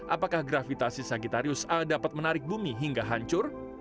apakah gravitasi sagittarius a dapat menarik bumi hingga hancur